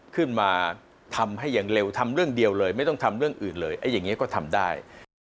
ขึ้นมาทำให้อย่างเร็วทำเรื่องเดียวเลยไม่ต้องทำเรื่องอื่นเลยอย่างนี้ก็ทำได้